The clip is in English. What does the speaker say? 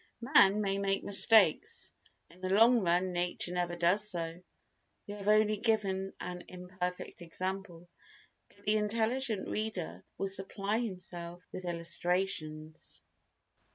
Man may make mistakes; in the long run nature never does so. We have only given an imperfect example, but the intelligent reader will supply himself with illustrations.